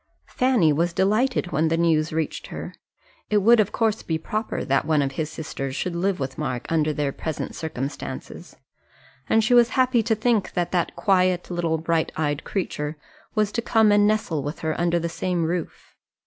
Fanny was delighted when the news reached her. It would of course be proper that one of his sisters should live with Mark under their present circumstances, and she was happy to think that that quiet little bright eyed creature was to come and nestle with her under the same roof.